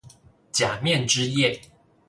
假面之夜